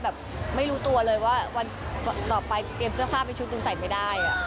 แบบไม่รู้ตัวเลยว่าวันต่อไปเคยเก็บสร้างผ้าเป็นชู้ตัวใส่ไม่่ได้